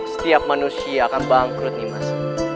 setiap manusia akan bangkrut nih mas